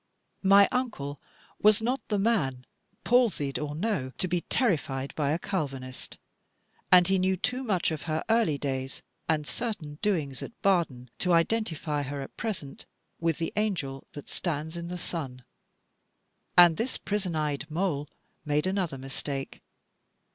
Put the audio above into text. My Uncle was not the man, palsied or no, to be terrified by a Calvinist: and he knew too much of her early days, and certain doings at Baden, to identify her at present with the angel that stands in the sun. And this prison eyed mole made another mistake.